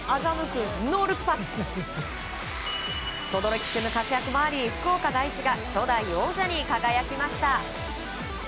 轟君の活躍もあり、福岡第一が初代王者に輝きました。